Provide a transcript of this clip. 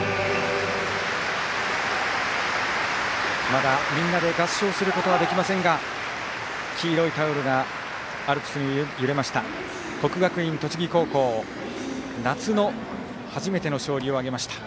まだみんなで合唱することはできませんが黄色いタオルがアルプスに揺れました。